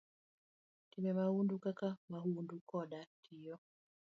Timbe mahundu kaka mahundu koda tiyo